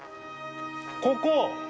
ここ！